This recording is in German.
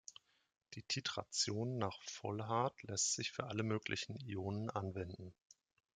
Die Titration nach Volhard lässt sich für alle möglichen Ionen anwenden.